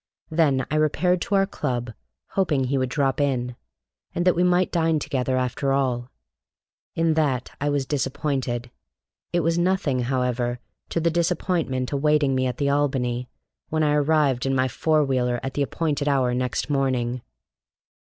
Then I repaired to our club, hoping he would drop in, and that we might dine together after all. In that I was disappointed. It was nothing, however, to the disappointment awaiting me at the Albany, when I arrived in my four wheeler at the appointed hour next morning.